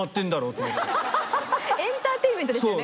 エンターテインメントでしたよね。